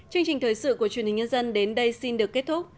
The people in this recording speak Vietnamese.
chương trình thời sự của truyền hình nhân dân đến đây xin được kết thúc